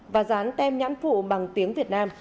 và dán tem nhãn phụ bằng tiếng việt nam